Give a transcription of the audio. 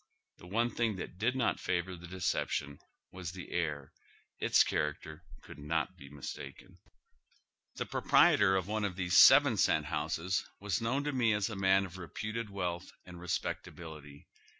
The one thing that did not favor the deception was the air ; its character couid not be mistaken. Tiie proprietor of one of these seven cent houses was known to nie as a man of reputed wealth and respecta bility.